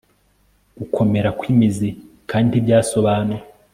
gukomera kw'imizi kandi ntibyasobanuka